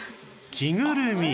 着ぐるみ？